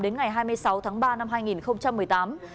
đến ngày hai mươi sáu tháng ba năm hai nghìn một mươi tám